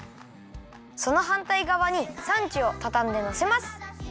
そのはんたいがわにサンチュをたたんでのせます。